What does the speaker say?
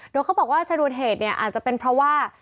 โดยเขาบอกว่าชนวนเหตุเนี่ยอาจจะเป็นเพราะว่า